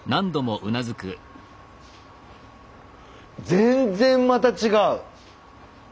全然また違う！